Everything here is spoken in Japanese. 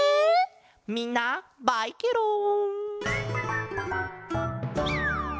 みんなバイケロン！